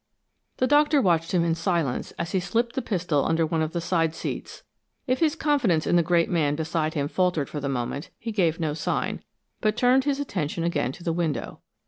The Doctor watched him in silence as he slipped the pistol under one of the side seats. If his confidence in the great man beside him faltered for the moment, he gave no sign, but turned his attention again to the window.